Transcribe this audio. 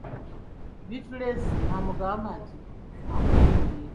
Bittulensi n'amugamba nti:"akulimbye"